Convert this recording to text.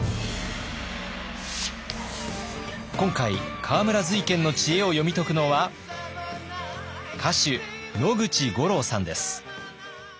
今回河村瑞賢の知恵を読み解くのは歌手野口五郎さんです。